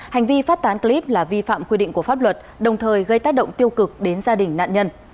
hành vi phát tán clip là vi phạm quy định của pháp luật đồng thời gây tác động tiêu cực đến gia đình nạn nhân